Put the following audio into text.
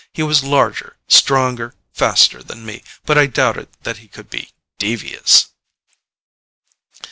He was larger, stronger, faster than me, but I doubted that he could be devious.